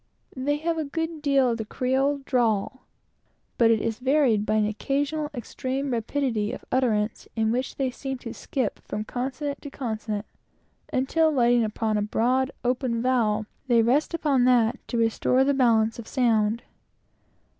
They have a good deal of the Creole drawl, but it is varied with an occasional extreme rapidity of utterance, in which they seem to skip from consonant to consonant, until, lighting upon a broad, open vowel, they rest upon that to restore the balance of sound.